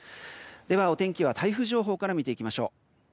では、お天気は台風情報から見ていきましょう。